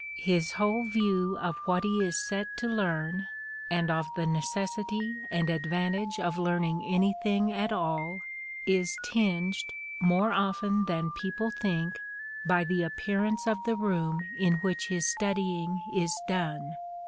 His whole view of what he is set to learn, and of the necessity and advantage of learning anything at all, is tinged, more often than people think, by the appearance of the room in which his studying is done.